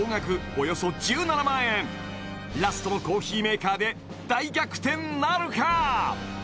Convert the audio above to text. およそ１７万円ラストのコーヒーメーカーで大逆転なるか？